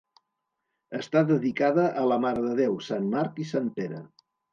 Està dedicada a la Mare de Déu, sant Marc i sant Pere.